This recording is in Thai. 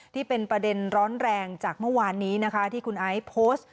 ที่เป็นประเด็นร้อนแรงจากเมื่อวานนี้นะคะที่คุณไอซ์โพสต์